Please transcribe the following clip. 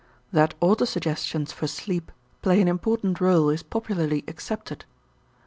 That autosuggestions for sleep play an important rôle is popularly accepted.